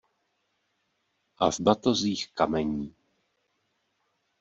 A v batozích kamení.